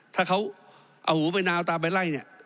ถ้าเขาเอาหูไปนาอะตาไปไล่